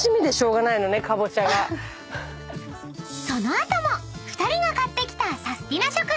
［その後も２人が買ってきた］